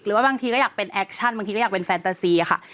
หรือบางทีก็อยากเป็นแอคชั่นหรือเป็นแฟนตาซี